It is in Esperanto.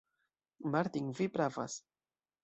Martin, vi pravas!